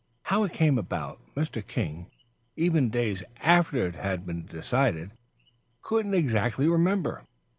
How it came about, Mr. King, even days after it had all been decided, couldn't exactly remember.